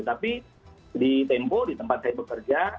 tapi di tempo di tempat saya bekerja